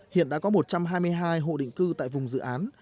hiện đã có một trăm hai mươi hai hộ định cư tại vùng dự án